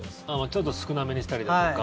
ちょっと少なめにしたりだとか。